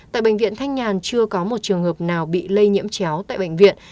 tại bệnh viện thanh nhàn chưa có một trường hợp nào bị lây nhiễm chéo tại bệnh viện